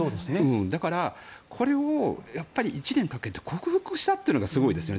だから、これを１年かけて克服したというのがすごいですよね。